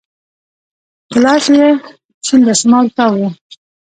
په لاس يې شين دسمال تاو و.